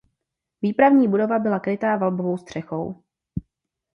Výpravní budova byla krytá valbovou střechou.